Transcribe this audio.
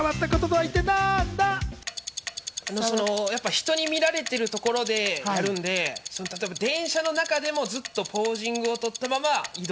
人に見られてるところでやるんで、電車の中でもずっとポージングを取ったまま移動。